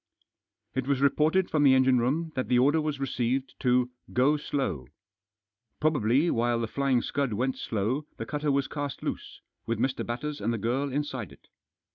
It was reported from the engine room that the order was received to "Go slow." Probably while The Flying Scud went slow the cutter was cast loose, with Mr. Batters and the girl inside it.